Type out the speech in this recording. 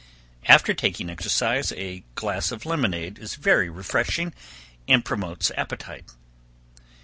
After taking exercise, a glass of lemonade is very refreshing, and promotes appetite.